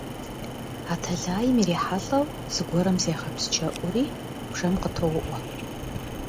А тэлайм ирихьэлӏэу зыгуэрым зегъэпсчэуӏури бжэм къытоуӏуэ.